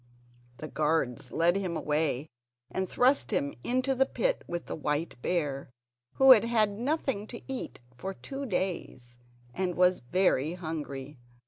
The guards led him away and thrust him into the pit with the white bear, who had had nothing to eat for two days and was very hungry.